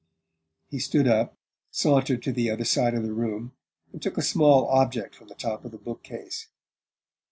He stood up, sauntered to the other side of the room, and took a small object from the top of the bookcase.